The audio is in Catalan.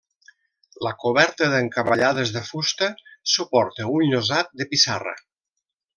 La coberta d'encavallades de fusta suporta un llosat de pissarra.